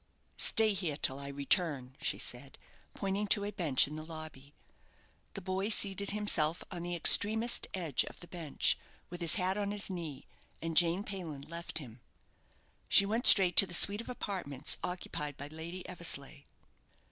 "Stay here till I return," she said, pointing to a bench in the lobby. The boy seated himself on the extremest edge of the bench, with his hat on his knees, and Jane Payland left him. She went straight to the suite of apartments occupied by Lady Eversleigh.